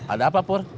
ada apa pur